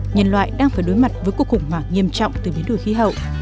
nhân loại đang phải đối mặt với cuộc khủng hoảng nghiêm trọng từ biến đổi khí hậu